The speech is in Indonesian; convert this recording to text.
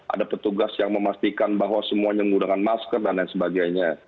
ada petugas yang memastikan bahwa semuanya menggunakan masker dan lain sebagainya